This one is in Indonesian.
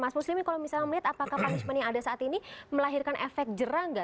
mas muslimin kalau misalnya melihat apakah punishment yang ada saat ini melahirkan efek jerah nggak